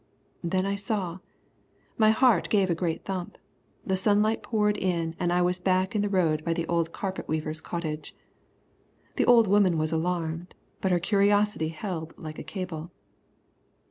Then I saw. My heart gave a great thump. The sunlight poured in and I was back in the road by the old carpet weaver's cottage. The old woman was alarmed, but her curiosity held like a cable.